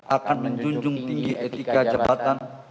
akan menjunjung tinggi etika jabatan